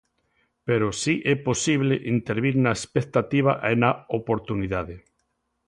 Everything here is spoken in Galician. Pero si é posible intervir na expectativa e na oportunidade.